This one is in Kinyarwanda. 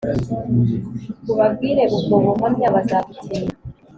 Ubabwire ubwo buhamya bazagutinya